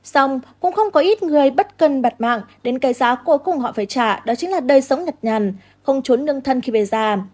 xong cũng không có ít người bất cần đặt mạng đến cái giá cuối cùng họ phải trả đó chính là đời sống nhặt nhằn không trốn nương thân khi về già